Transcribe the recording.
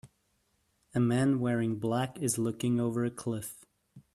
A man wearing black is looking over a cliff.